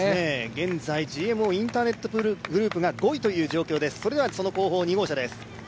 現在ＧＭＯインターネットグループが５位という状況です。